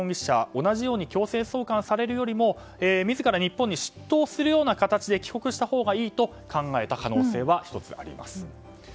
同じように強制送還されるよりも自ら日本に出頭するような形で帰国したほうがいいと考えた可能性が１つ、あります。